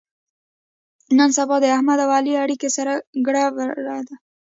نن سبا د احمد او علي اړیکه سره ګړبړ ده.